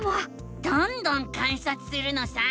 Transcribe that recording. どんどん観察するのさ！